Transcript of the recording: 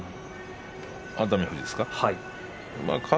熱海富士ですか？